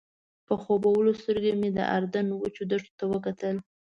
په خوبولو سترګو مې د اردن وچو دښتو ته وکتل.